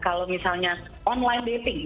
kalau misalnya online dating